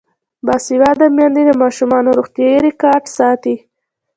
باسواده میندې د ماشومانو روغتیايي ریکارډ ساتي.